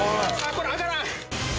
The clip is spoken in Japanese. これ上がらん！